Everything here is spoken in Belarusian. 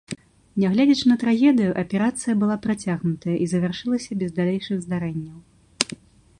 Нягледзячы на трагедыю, аперацыя была працягнутая і завяршылася без далейшых здарэнняў.